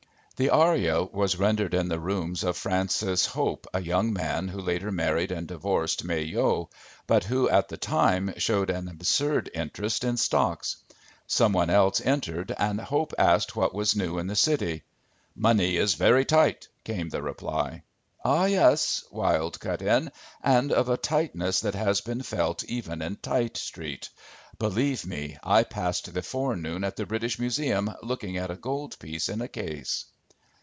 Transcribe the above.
'" The aria was rendered in the rooms of Francis Hope, a young man who later married and divorced May Yohe, but who at the time showed an absurd interest in stocks. Someone else entered and Hope asked what was new in the City. "Money is very tight," came the reply. "Ah, yes," Wilde cut in. "And of a tightness that has been felt even in Tite street. Believe me, I passed the forenoon at the British Museum looking at a gold piece in a case."